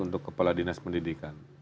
untuk kepala dinas pendidikan